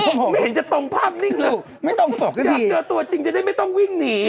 ผมไม่เห็นจะตรงภาพนิ่งเลยไม่ต้องบอกอยากเจอตัวจริงจะได้ไม่ต้องวิ่งหนี